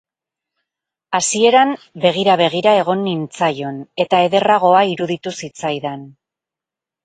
Hasieran begira-begira egon nintzaion, eta ederragoa iruditu zitzaidan.